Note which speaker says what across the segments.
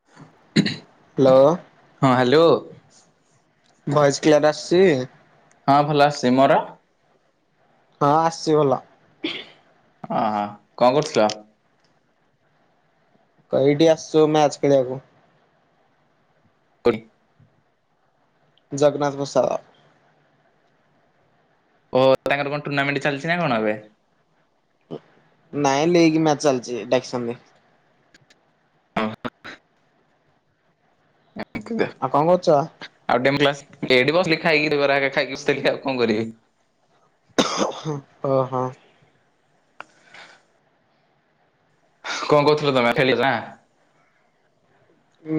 Speaker 1: [inaudible]
Speaker 2: Hello.
Speaker 1: ହଁ hello.
Speaker 2: Voice clear ଆସୁଛି।
Speaker 1: ହଁ ଭଲ ଆସୁଚି ମୋର।
Speaker 2: ହଁ ଆସଚି ଭଲ।
Speaker 1: ଅହ କଣ କରୁଥିଲ।
Speaker 2: ଏଠିକି ଆସିଚୁ ମ୍ୟାଚ ଖେଳିବାକୁ।
Speaker 1: [inaudible]
Speaker 2: ଜଗନ୍ନାଥ ପ୍ରସାଦ।।
Speaker 1: ଓ ତାଙ୍କର କଣ ଟୁର୍ଣ୍ଣାମେଣ୍ଟ ଚାଲିଛି ନା କଣ ଏବେ।
Speaker 2: ନାଇଁ ଲିଗ୍ ମ୍ୟାଚ ଚାଲିଚି ଡାକିଛନ୍ତି।
Speaker 1: [unintelligible]
Speaker 2: ଆଉ କଣ କରୁଚ।
Speaker 1: ଆଉ ଡେମ କ୍ଲାସ୍ ଏଇଠି ବସିଲି ଖାଇକିରି ବରା ହେକା ଖାଇକି ବସଥିଲି ଆଉ କଣ କରିବି।
Speaker 2: ଓହୋ।
Speaker 1: କଣ କହୁଥିଲ ତମେ ଖେଳି ନା।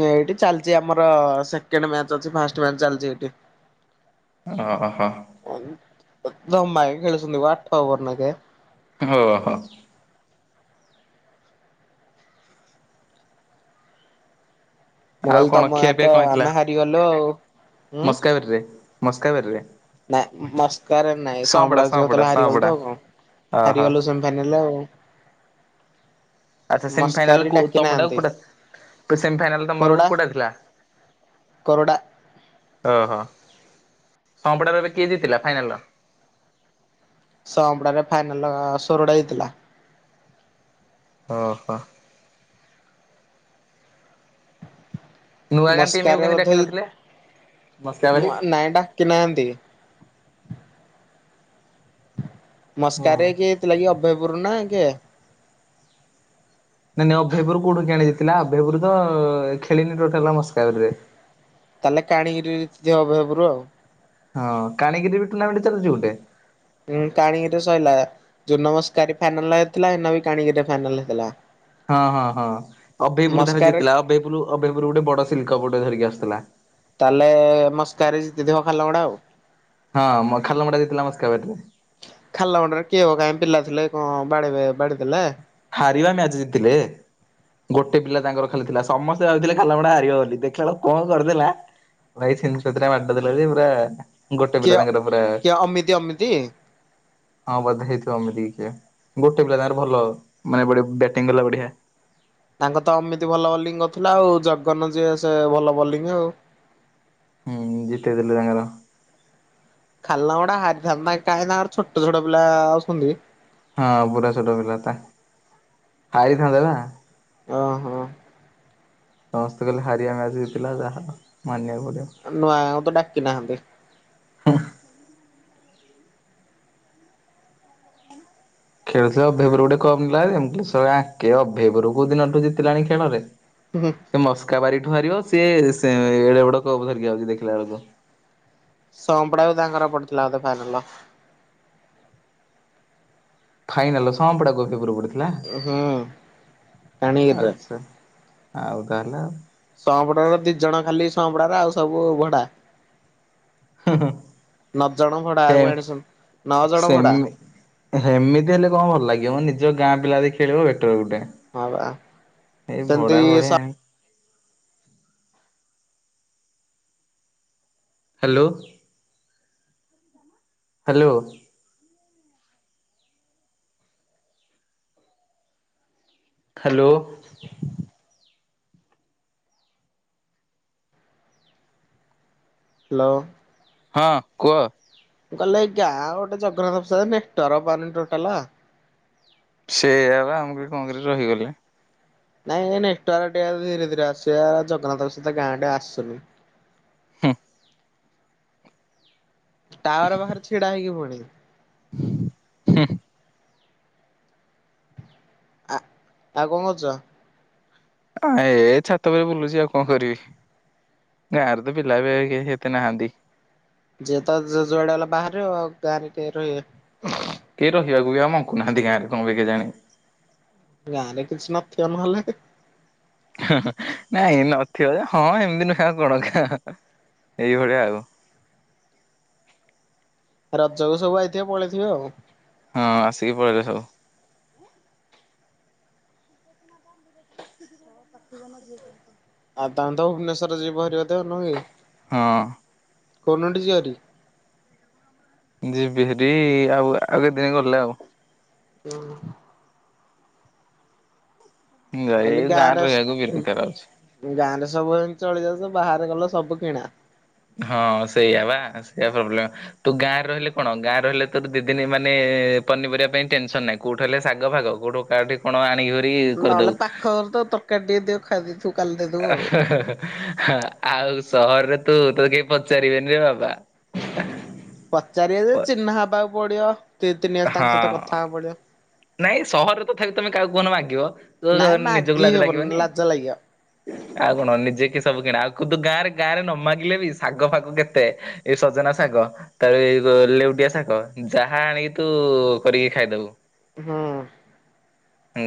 Speaker 2: ଏଇଠି ଚାଲିଛି ଆମର ସେକେଣ୍ଡ ମ୍ୟାଚ ଅଛି ଫାଷ୍ଟ ମ୍ୟାଚ ଚାଲିଛି ଏଠି।
Speaker 1: ଓ ଓହୋ।
Speaker 2: ଦବା ଖେଳସଛନ୍ତି ଆଠ ବର୍ନ କେ।
Speaker 1: ଉହୋ।
Speaker 2: ମୁଁ
Speaker 1: ଆଉ
Speaker 2: କହିଲି
Speaker 1: କଣ
Speaker 2: ତମ ଗାଁ ତ
Speaker 1: ଖିଆପିଆ କଣ ହେଇଥିଲା
Speaker 2: ଆମେ ହାରିଗଲୁ ଆଉ। ହୁଁ
Speaker 1: ମସ୍କାବରରେ ମସ୍କାବରରେ।
Speaker 2: ନାଇଁ ମସ୍କ ନାଇଁ ସମ୍ବଳ
Speaker 1: ସଅଁପଡା
Speaker 2: ଯଉଥିଲା ହାରିଗଲ
Speaker 1: ସଅଁପଡା
Speaker 2: ତ କଣ
Speaker 1: ଓହୋ
Speaker 2: ହାରିଗଲୁ ସେମତି। ମାନିଲେ ଆଉ।
Speaker 1: ଆଛା
Speaker 2: ମସ୍କାରି
Speaker 1: ସେମିଫାଇନାଲ
Speaker 2: ଡାକି
Speaker 1: ତମ
Speaker 2: ନାହାନ୍ତି
Speaker 1: ଟାକୁ ସେମି ଫାଇନାଲ ତମରକୁ କୋଉଟା ଥିଲା।
Speaker 2: କରଡ଼ା।
Speaker 1: ଓହୋ ସମ୍ପଡାରେ ଏବେ କିଏ ଜିଥିଲା ଫାଇନାଲ ର।
Speaker 2: ସମ୍ପଦରେ ଫାଇନାଲ ସୋରଡା ଜିତିଲା।
Speaker 1: ଓହୋ। ନୂଆ ଗାଁ ଟିମକୁ
Speaker 2: ମସ୍କାରେ
Speaker 1: କେମିତି
Speaker 2: ବୋଧେ
Speaker 1: ଡାକି ନଥିଲେ ମସ୍କା ବାରି
Speaker 2: ନାଇଁ ଡାକି ନାହାନ୍ତି।
Speaker 1: ହୁଁ।
Speaker 2: ମସ୍କାରେ କିଏ ଜିତିଲାଗି ଅଭୟପୂର୍ ନା କିଏ?
Speaker 1: ନାଇଁ ନାଇଁ ଅଭୟପୁରୁ କୋଉଠୁ କି ଆଣି ଯାଇଥିଲା ଅଭୟପୁରୁ ତ ଖେଳିନି ଟୋଟାଲ ହେଲା ମସ୍କାରରେ।
Speaker 2: ତାହେଲେ କାଣିକିରିବ ଜିତିବ ଅଭାୟପୁରୁ ଆଉ।
Speaker 1: ହଁ କନିକିରି ରେ ବି ଟୁର୍ଣ୍ଣାମେଣ୍ଟ ଚାଲୁଛି ଗୋଟେ।
Speaker 2: କାଣିକିରିରେ ସରିଲା ଜୁ ନମସ୍କାରୀ ଫାଇନାଲ ହେଇଥିଲା ବି କାନିକିରିରେ ଫାଇନାଲ ହେଇଥିଲା।
Speaker 1: ହଁ ହଁ ହଁ ଅଭୟପୁର ତାହାଲେ
Speaker 2: ମସ୍କାରେ
Speaker 1: ଜିତିଥିଲା ଅଭୟପୁର ଅଭୟପୁର ଗୋଟେ ବଡ ସିଲକପୋଟେ ଧରିକି ଆସିୁଥିଲା।
Speaker 2: ତାହେଲେ ମସ୍କାରାରେ ଜିତିଥିବ ହାଲଗୁଡା ଆଉ।
Speaker 1: ହଁ ଖାଲମଡା ଜିତିଲା ମସ୍କାବାରିରେ।
Speaker 2: ଖାଲା ମଣ୍ଡରେ କିଏ କାହିଁ ପିଲା ଥିଲେ କଣ ବା ବାଡି ଦେଲେ।
Speaker 1: ହାରିବା ମ୍ୟାଚ ଜିତିଲେ। ଗୋଟେ ପିଲା ତାଙ୍କର ଖାଲିଥିଲା ସମସ୍ତେ ଭାବଥିଲେ ଖାଲ ଖାଲମଡା ହାରିବ ବୋଲି ଦେଖିଲ ବେଲୁକୁ କଣ କରିଦେଲା। ଭାଇ ଛିନଛତରା ମାରିଦେଲା ପୁରା। ଗୋଟେ ପିଲା
Speaker 2: କିଏ?
Speaker 1: ତାଙ୍କର ପୁରା।
Speaker 2: କିଏ ଅମିତି ଅମିତି?
Speaker 1: ହଁ ବଧେ ହେଇଥିବ ଏମିତି କି କି ଗୋଟେ ପିଲା ତାର ଭଲ ମାନେ ବ ବ୍ୟାଟିଂ ଗଲା ବଢିଆ।
Speaker 2: ତାଙ୍କ ତ ଅମିତି ଭଲ ବୋଲିଂ କରୁଥିଲା ଆଉ ଜଗନ ଯିଏ ସେ ଭଲ ବୋଲିଂ ଆଉ।
Speaker 1: ହୁଁ ଜିତେଇଦଲେ ତାଙ୍କର।
Speaker 2: ଖାଲମଡା ହାରିଥାନ୍ତା କାଇଁ ନା ଛୋଟ ଛୋଟ ପିଲା ଅଛନ୍ତି।
Speaker 1: ହଁ ପୁରା ଛୋଟ ପିଲା ତା ଯାଇଥାନ୍ତେ ନା।
Speaker 2: ଓହୋ।
Speaker 1: ସମସ୍ତେ କହିଲେ ହାରିିବା ମ୍ୟାଚ ଜିତିଥଲା ଯାହା ମାନିବାକୁ ପଡିବ।
Speaker 2: ନୂଆ ଆଉ ତ ଡାକି ନାହାନ୍ତି।
Speaker 1: ଖେଳୁଥିଲା ଅଭୟପୁରୁ ଗୋଟେ କପ ନେଲାଜେ ସାଲା ଆଙ୍କେ ଅଭୟପୁରୁ କୋଉ ଦିନଠୁ ଜିତିଲାଣି ଖେଳରେ।
Speaker 2: ହୁଁ।
Speaker 1: ସେ ମସ୍କା ବାରିଠୁ ହାରିବ ସିଏ ଏଡ ବଡ କପ ଧରିକି ଆଉଛି ଦେଖିଲା ବେଳକୁ।
Speaker 2: ସୋମ୍ପଡା ବି ତାଙ୍କର ପଡିଥିଲା ବୋଧେ ଫାଇନାଲ।
Speaker 1: ଫାଇନାଲ ସମପଡ଼ା କୁ ଅଭାୟପୂରୁ ପଡ଼ିଥିଲା
Speaker 2: ହୁଁ ପାଣିରେ।
Speaker 1: ଆଚ୍ଛା। ଆଉ ତାହେଲେ ଆଉ।
Speaker 2: ଶଅପଡାର ଦି ଜଣ ଖାଲି ଶଅପଡାର ଆଉ ସବୁ ଭଡା।
Speaker 1: ହୁଁ ହୁଁ
Speaker 2: ନଅ ଜଣ ଭଡା ଆ କ
Speaker 1: ହେମ୍
Speaker 2: ଆଣି ନଅ ଜଣ ଭଡା।
Speaker 1: ଏମିତି ହେଲେ କଣ ଭଲ ଲାଗିବ ମୁଁ ନିଜ ଗାଁ ପିଲା ଦେଇ ଖେଳିବ ବେଟର ଗୋଟେ।
Speaker 2: ହଁ ବା
Speaker 1: ଏଇ
Speaker 2: ସେମିତି
Speaker 1: ଭଡା
Speaker 2: ସ
Speaker 1: ଭଡା ଆଣି ହ୍ୟାଲୋ। ହ୍ୟାଲୋ। ହ୍ୟାଲୋ।
Speaker 2: ହ୍ୟାଲୋ।
Speaker 1: ହଁ କୁହ।
Speaker 2: ମୁଁ କହିଲ ଏଇ ଗାଁ ଗୋଟେ ଜଗନ୍ନାଥ ପ୍ରାଦ ନେଟୱାର୍କ ପାଉନି ଟୋଟାଲ।
Speaker 1: ସେଆପା ମୁ କହିଲି କଣ କିରେ ରହିଗଲେ।
Speaker 2: ନାଇଁ ନେଟୱର୍କ ଟିକେ ଧୀରେ ଧୀରେ ଆସିବେ ଜଗନ୍ନାଥଙ୍କ ସହିତ ଗାଁ ଟିକେ ଆସୁନି।
Speaker 1: ହୁଁ।
Speaker 2: ଟାୱାର ବାହାରେ ଛିଡା ହେଇକି ପୁଣି।
Speaker 1: ହୁଁ।
Speaker 2: ଆ ଆଉ କଣ କରୁଛ?
Speaker 1: ଆ ଏ ଛାତ ଉପରେ ବୁଲୁଛି ଆଉ କଣ କରିବି? ଗାଁରେ ତ ପିଲା ବି ହେତେ ନାହାନ୍ତି।
Speaker 2: ଯିଏତ ଯୁଆଡେ ହେଲା ବାହାରେ ଆଉ ଗାଁରେ ଟେ ରହିବେ?
Speaker 1: କେହି ରହିବାକୁ ବି ଆଉ ମଙ୍ଗୁ ନାହାନ୍ତି ଗାଁରେ କଣ କେଜାଣି?
Speaker 2: ଗାଁ ରେ କିଛି ନଥିବ ନହଲେ।
Speaker 1: ନାଇଁ ନଥିବ ଯେ ହଁ ଏମିତି ନୁଆ କଣ ଖ ଏଇଭଳିଆ ଆଉ
Speaker 2: ରଜକୁ ସବୁ ଆଇଥିବେ ପଳେଇଥିବେ ଆଉ
Speaker 1: ହଁ ଆସିକି ପଳେଇଲେ ସବୁ। ଆ କାଠି ମର୍ ଚା
Speaker 2: ଆଉ ତାହେଲେ ତ ଭୁବନେଶ୍ୱର ଯିବ ହାରି ନୁହେଁ କି?
Speaker 1: ହଁ।
Speaker 2: କୋଉଦିନଠୁ ଯିବ ଭାରି?
Speaker 1: ଯିବି ହେରି ଆଉ ଆଉ କେତେଦିନ ଗଲେ ଆଉ
Speaker 2: ହୁଁ।
Speaker 1: ଏଇ
Speaker 2: କହଲିି
Speaker 1: ରହିବାକୁ
Speaker 2: ଗାଁରେ
Speaker 1: ବିରକ୍ତ ଲାଗୁଛି।
Speaker 2: ଗାଁରେ ସବୁ ଏମ ଚଳିଯାଉଚ ବାହାରେ ଗଲେ ସବୁ କିଣା।
Speaker 1: ହଁ ସେଇଆ ବା ସେଇଆ ପ୍ରୋବ୍ଲେମ୍। ତୁ ଗାଁ ରହିଲେ କଣ ଗାଁ ରହିଲେ ତୋତେ ଦିଦିନ ମାନେ ପନିପରିବା ପାଇଁ ଟେନସନ ନାହିଁ। କୋଉଠୁ ହେଲେ ଶାଗ ଫାଗ କୋଉଠୁ କାହାଠି କଣ ଆଣିକିରି କରିଦବୁ।
Speaker 2: [inaudible] କାଟିକି ଟିକେ ଖାଇଦେଇଥିବୁ।
Speaker 1: ଆଉ ସହରରେ ତୁ ତୋ କେହି ପଚାରିବେନିରେ ବାବା।
Speaker 2: ପଚାରିବେ ଯେ ଚିହ୍ନା ହେବାକୁ ପଡିବ ଦି ତିନି ଆସ
Speaker 1: ହଁ
Speaker 2: ତାଙ୍କ ସହିତ କଥା ହବାକୁ ପଡିବ।
Speaker 1: ନାଇଁ ସହରରେ ତ ତମେ କାହାକୁ କହୁନ ମାଗିବ ତ
Speaker 2: ନାଇଁ
Speaker 1: ନିଜକୁ
Speaker 2: ମାଗି
Speaker 1: ଲାଜ
Speaker 2: ହବନି
Speaker 1: ଲାଗିବନି।
Speaker 2: ଲାଜ ଲାଗିବ
Speaker 1: ଆଉ କଣ ନିଜେ କି ସବୁ କିଣା ଆଉ କିନ୍ତୁ ଗାଁରେ ଗାଁରେ ନ ମାଗିଲେ ବି ଶାଗ ଫାଗ କେତେ? ଏ ସଜନା ଶାଗ। ତାପରେ ଲେଉଟିଆ ଶାଗ ଯାହା ଆଣିକି ତୁ କରିକି ଖାଇଦବୁ।
Speaker 2: ହୁଁ।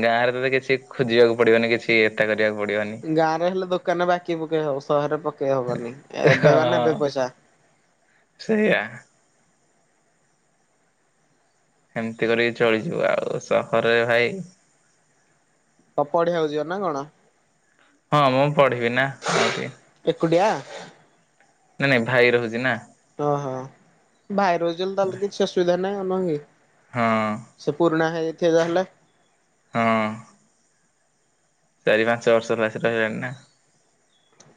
Speaker 1: ଗାଁ ରେ ତତେ କିଛି ଖୋଜିବାକୁ ପଡିବନି କିଛି ଏତା କରିବାକୁ ପଡିବନି।
Speaker 2: ଗାଁ ରେ ହେଲେ ଦୋକାନରେ ବାକି ପକେଇ ହବ ସହରରେ ପକେଇ ହବନି ଏବେ ମାନେ ଏବେ
Speaker 1: ହଁ।
Speaker 2: ପଇସା।
Speaker 1: ସେଇଆ। ସେମତି କରିକି ଚଳିଯିବ ଆଉ ସହରରେ ଭାଇ
Speaker 2: ସପୁ ଆଡେ ଯାଉଛି ନା କଣ?
Speaker 1: ହଁ ମୁଁ ପଢ଼ିବି ନା ଆଉ ଟିକେ
Speaker 2: ଏକୁଟିଆ।
Speaker 1: ନାଇଁ ନାଇଁ ଭାଇ ରହୁଛି ନା।
Speaker 2: ଓହୋ ଭାଇ ରହୁଛି ତାଲେ କିଛି ଅସୁବିଧା ନାହିଁ ନୁହେଁ କି?
Speaker 1: ହଁ
Speaker 2: ସେ ପୁରୁଣା ହେଇଯାଇଥବ ଯାହେଲେ।
Speaker 1: ହଁ‌। ଚାରି ପାଞ୍ଚ ବର୍ଷ ହେଲା ସେ ରହିଲାଣି ନା।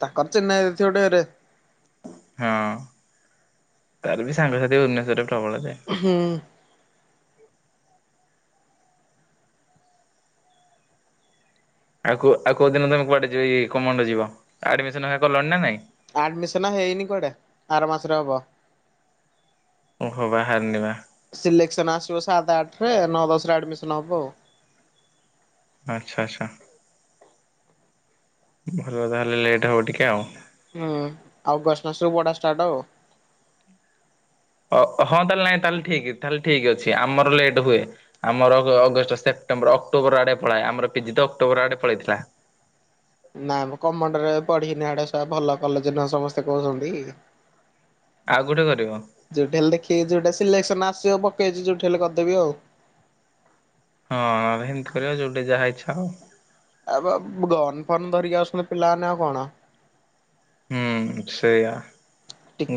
Speaker 2: ତାଙ୍କର ଚିହ୍ନା ହେଉଛି ଗୋଟେ ଇଏରେ।
Speaker 1: ହଁ ତାର ବି ସାଙ୍ଗସାଥି ଭୁବନେଶ୍ଵରରେ ପ୍ରବଳ ଯେ
Speaker 2: ହୁଁ।
Speaker 1: ଆଉ ଆଉ କୋଉ ଦିନ ତମେ କୁଆଡେ ଯିବ ଆଡମିସନ କଲଣି ନା ନାଇଁ?
Speaker 2: ଆଡମିସନ ହେଇନି କୁଆଡେ ଆର ମାସରେ ହବ।
Speaker 1: ଓହୋ ବାହାରିନିବା।
Speaker 2: ସିଲେକ୍ସନ ଆସିବ ସାତେ ଆଠରେ ନଅ ଦଶରେ ଆଡମିସନ ହବ ଆଉ।
Speaker 1: ଆଚ୍ଛା ଆଚ୍ଛା ଭଲ ତାହେଲେ ଲେଟ୍ ହବ ଟିକେ ଆଉ।
Speaker 2: ହୁଁ ଅଗଷ୍ଟ ମାସ କୁ ପଢ଼ା ଷ୍ଟାର୍ଟ ହବ୍।
Speaker 1: ଅ ହଁ ତାହେଲେ ନାଇଁ ତାହେଲେ ଠିକ ତାହେଲେ ଠିକ ଅଛି ଆମର ଲେଟ୍ ହୁଏ। ଆମର ଅଗ ଅଗଷ୍ଟ, ସେପ୍ଟେମ୍ବର, ଅକ୍ଟୋବର ଆଡେ ପଳାଏ ଆମର ପି ଜି ତ ଅକ୍ଟୋବର ଆଡେ ପଳେଇଥିଲା।
Speaker 2: ନାଇଁ ମ କମଣ୍ଡରେ ପଢିକି ନା ଗୋଟେ ସ ଭଲ କଲେଜ ନୁହ ସମସ୍ତେ କହୁଛନ୍ତି।
Speaker 1: ଆଉ କୋଉଠି କରିବ?
Speaker 2: ଯୋଉଠି ହେଲେ ଦେଖିକି ଯୋଉଟା ସିଲେକ୍ସନ ଆସିବ ପକେଇଛି ଯୋଉଠି ହେଲେ କରିଦେବି ଆଉ।
Speaker 1: ହଁ ହେମିତି କରିବା ଯୋଉଟେ ଯାହା ଇଚ୍ଛା ହବ।
Speaker 2: ଏବେ ବ ଗନ ଫନ ଧରିକି ଆସୁଛନ୍ତି ପିଲାମାନେ ଆଉ କଣ।
Speaker 1: ହୁଁ ସେଇଆ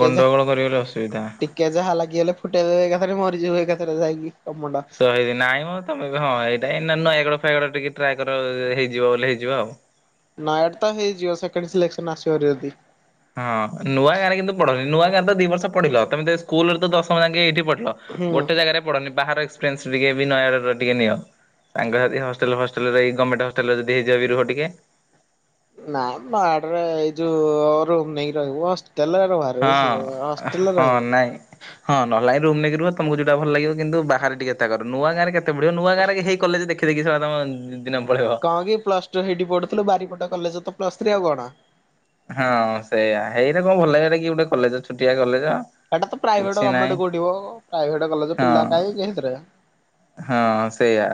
Speaker 1: ଗଣ୍ଡଗୋଳ କରିବ ବୋଲି ଅସୁବିଧା।
Speaker 2: କେ ଯାହା ଲାଗିଗଲେ ଫୁଟେଇଦେବେ ଏକଥାରେ ମରିଯିବ ଏକାଥରେ ଯାଇକି ତ ମୁଣ୍ଡ।
Speaker 1: ତ ହେଇକି ନାଇଁ ମ ତମେ ବି ହଁ ଏଇଟା ଏ ନ-ନୟାଗଡ଼ ଫୟାଗଡ ରେ ଟିକେ ଟ୍ରାଏ କର ହେଇଯିବ ବୋଲି ହେଇଯିବ ଆଉ।
Speaker 2: ନୟାଗଡ଼ ତ ହେଇଯିବ ସେକେଣ୍ଡ ସିଲେକ୍ସନ ଆସିବ ହେରି ଯଦି।
Speaker 1: ହଁ ନୂଆ ଗାଁରେ କିନ୍ତୁ ପଢନି ନୂଆ ଗାଁରେ ତ ଦି ବର୍ଷ ପଢିଲ ତମେ ତ ସ୍କୁଲ ରେ ତ ଦଶମ ଯାଙ୍କେ ଏଇଠି ପଢିଲ।
Speaker 2: ହୁଁ।
Speaker 1: ଗୋଟେ ଜାଗାରେ ପଢନି ବାହାର ଏକ୍ସପେରିଏନ୍ସ ଟିକେ ବି ନୟାଗଡର ଟିକେ ନିଅ। ସାଙ୍ଗ ସାଥି ହଷ୍ଟେଲ ଫଷ୍ଟେଲରେ ରହିକି ଗମେଣ୍ଟ ହଷ୍ଟେଲରେ ଯଦି ହେଇଯିବ ବି ରୁହ ଟିକେ।
Speaker 2: ନାଇଁ ବାଡରେ ଏଇ ଯୋଉ ଅ ରୁମ ନେଇକି ରହିବୁ ହ ଟେଲେ [unintelligible] ବାହାର
Speaker 1: ହଁ
Speaker 2: ରହିବୁ ସୁ ହଷ୍ଟେଲରେ
Speaker 1: ହଁ
Speaker 2: ରହିବୁନି।
Speaker 1: ନାଇଁ ହଁ ନହଲେ ନାଇ ରୁମ ନେଇକି ରୁହ ତମକୁ ଯୋଉଟା ଭଲ ଲାଗିବ କିନ୍ତୁ ବାହାରେ ଟିକେ ଏତା କର ନୂଆ ଗାଁରେ କେ ! ! ! ! ! ! ! ! ! !
Speaker 2: ହଁ କି ପ୍ଲସ ଟୁ ସେଇଠି ପଢୁଥିଲୁ ବାରିପଦା କଲେଜ ତ ପ୍ଲସ ଥ୍ରୀ ଆଉ କଣ।
Speaker 1: ହଁ ସେଇଆ ହେଇରା କଣ ଭଲ ଲାଗ [unintelligible] କି ଗୋଟେ କଲେଜ ଛୁଟିଆ କଲେଜ‌।
Speaker 2: ଏଟା ତ ପ୍ରାଇଭେଟ ଗମେଣ୍ଟ କଉଠି ମ ପ୍ରାଇଭେଟ କଲେଜ
Speaker 1: ହଁ
Speaker 2: ପିଲା କାହିଁ କି ସେଥିରେ।
Speaker 1: ହଁ ସେୟା।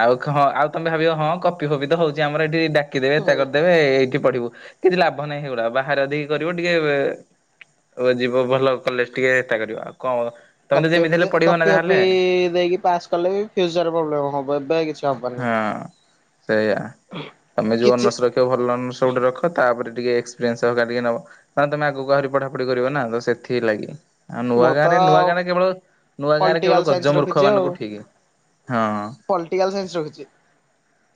Speaker 1: ଆଉ କ ହଁ ଆଉ ତମେ ଭାବିବ ହଁ କପି ଫପି ତ ହଉଛି ଆମର ଏଠି ଡା କିଦେବେ ଏତା କରିଦେବେ ଏଇଠି ପଢିବୁ କିଛି ଲାଭ ନାହିଁ ସେଇଗୁଡା ବାହାରେ ଯଦି କରିବୁ ଟିକେ ବେ। ଅ ଯିବ ଭଲ କଲେଜ ଟିକେ ଏଟା କରିବ ଆଉ କ।
Speaker 2: କପି ଫପି ଦେ କପି ଫପି ଦେଇକି ପାସ୍ କଲେ ବି ଫ୍ୟୁଚର ରେ ପ୍ରୋବେଲେମ୍ ହବ ଏବେ କିଛି। ହବନି।
Speaker 1: ହଁ ସେଇଆ ତମେ ଯଉ
Speaker 2: କିଛି
Speaker 1: ଅନର୍ସ ର ଭଲ ଅନର୍ସ ଗୋଟେ ରଖ ତାପରେ ଟିକେ ଏକ୍ସପିରିଏନ୍ସ ହେରିକା ଟିକେ ନବ। ନହେନେ ତମେ ଆଗକୁ ଆହୁରି ପଢାପଢି କରିବ ନା ତ ସେଥି ଲାଗି। ଆଉ ନୂଆ
Speaker 2: ମୁଁ
Speaker 1: ଗାଁ
Speaker 2: ତ
Speaker 1: ରେ ନୂଆ ଗାଁରେ କେବଳ ନୂଆ ଗାଁ ରେ
Speaker 2: ପଲିଟିକାଲ
Speaker 1: କେବଳ
Speaker 2: ସାଇନ୍ସ
Speaker 1: ଗଜମୂର୍ଖ ମାନଙ୍କୁ ଠିକି ହଁଁ।
Speaker 2: ପଲଟିକାଲ୍ ସାଇନ୍ସ ରଖିଛି।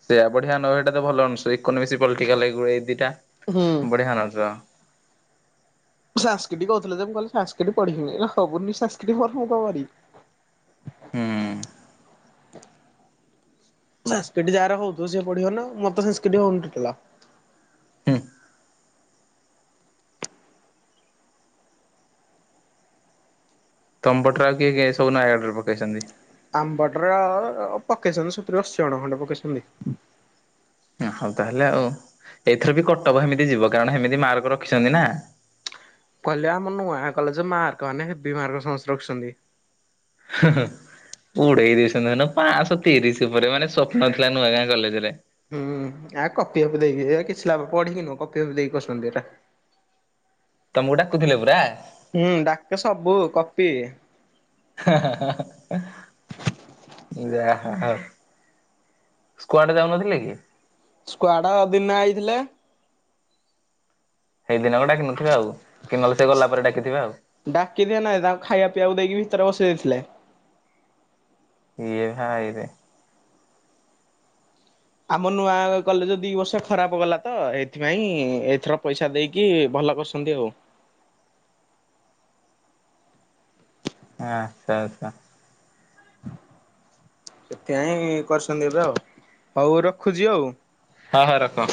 Speaker 1: ସେୟା ବଢିଆ ଅନ ଏଇଟା ତ ଭଲ ଅନର୍ସ ଇକୋନୋମିକସ ପଲଟିକାଲ ଏଇ ଗୁ ଏଇ ଦିଟା।
Speaker 2: ହୁଁ।
Speaker 1: ବଢିଆ ଅନର୍ସ।
Speaker 2: ସାଂସ୍କିଟି କହୁଥିଲେ ଯେ ମୁଁ କହିଲି ସାଂସ୍କିଟି ପଢିବିନି [unintelligible] ହବନି ସାଂସ୍କିଟି ମୋର ମୁଁ କଣ କରିବି।
Speaker 1: ହୁଁ।
Speaker 2: ସାଂସ୍କିଟି ଯାହାର ହଉଥିବ ସେ ପଢିବ ନା ମୋର ତ ସାଂସ୍କିଟି ହଉନି ଟୋଟାଲ।
Speaker 1: ହୁଁ। ତମ ପଟର ଆଉ କିଏ କିଏ ସବୁ ନୟାଗଡ଼ରେ ପକେଇଛନ୍ତି?
Speaker 2: ଆମ ପଟର ଅ ପକେଇଛନ୍ତି ସତୁରୀ, ଅଶୀ ଜଣ ଖଣ୍ଡେ ପକେଇଛନ୍ତି।
Speaker 1: ହୁଁ ହଉ ତାହେଲେ ଆଉ ଏଇଥିର ବି କଟଅଫ୍ ହେମିତି ଯିବ କାରଣ ହେମିତି ମାର୍କ ରଖିଛନ୍ତି ନା।
Speaker 2: କହିଲେ ଆମ ନୂଆ କଲେଜ ମାର୍କ ମାନେ ହେବି ମାର୍କ ସମସ୍ତେ ରଖିଛନ୍ତି।
Speaker 1: ହେ ହେ ଉଡେଇ ଦେଇଛନ୍ତି ଦେଖୁନ ପାଂସ ତିରିଶ ଉପରେ ମାନେ ସ୍ୱପ୍ନ ଥିଲା ନୂଆ ଗାଁ କଲେଜ ରେ।
Speaker 2: ହୁଁ ଆ କପି ଫପି ଦେଇକି ଏ କିଛି ଲାଭ ପଢିକି ନୁହଁ କପି ଫପି ଦେଇକି କରିଛନ୍ତି ଏରା।
Speaker 1: ତମକୁ ଡାକୁଥିଲେ ପୁରା।
Speaker 2: ହୁଁ ଡାକେ ସବୁ କପି।
Speaker 1: ହା ହା ହା ହା ହା ଯାହା ହ ହଉ। ସ୍କୁୱଡ ଯାଉନଥିଲେ କି?
Speaker 2: ସ୍କୁୱଡ ଦିନେ ଆଇଥିଲେ।
Speaker 1: ସେଇ ଦିନକ ଡାକି ନଥିବେ ଆଉ, କି ନହେଲେ ସେ ଗଲା ପରେ ଡାକିଥିବେ ଆଉ।
Speaker 2: ଡାକି ଥିବେ ନାହିଁ ତାଙ୍କୁ ଖାଇଆ ପିଇବାକୁ ଦେଇକି ଭିତରେ ବସେଇ ଦେଇଥିଲେ।
Speaker 1: ଇଏ ଭାଇରେ।
Speaker 2: ଆମ ନୂଆ କଲେଜ ଦି ବର୍ଷ ଖରାପ ଗଲା ତ ଏଇଥିପାଇଁ ଏଥର ପଇସା ଦେଇ କି ଭଲ କରଛନ୍ତି ଆଉ।
Speaker 1: ଆଚ୍ଛା ଆଚ୍ଛା।
Speaker 2: ସେଥିପାଇଁ କରିଛନ୍ତି ଏଗୁରା ଆଉ ହଉ ରଖୁଛି ଆଉ।
Speaker 1: ହ ହ ରଖ।